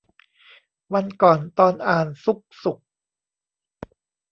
วันก่อนตอนอ่านซุกสุข